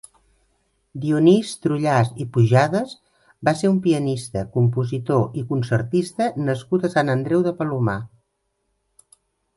Dionís Trullàs i Pujades va ser un pianista, compositor i concertista nascut a Sant Andreu de Palomar.